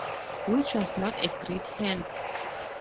Which was not a great help.